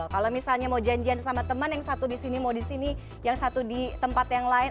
kalau misalnya mau janjian sama teman yang satu di sini mau di sini yang satu di tempat yang lain